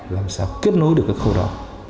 làm sao kết nối được các khâu đó